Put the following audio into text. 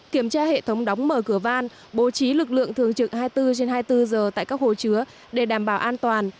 kiểm tra hệ thống đóng mở cửa van bố trí lực lượng thường trực hai mươi bốn trên hai mươi bốn giờ tại các hồ chứa để đảm bảo an toàn